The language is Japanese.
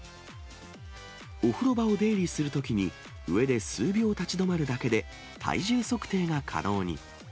お風呂場を出入りするときに、上で数秒立ち止まるだけで、体重測定が可能に。